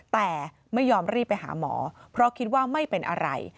แต่ไม่ยอมรีบไปหาหมอเพราะคิดว่าไม่เป็นอะไร